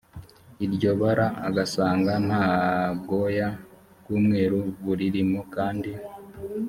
iryo bara agasanga nta bwoya bw umweru buririmo kandi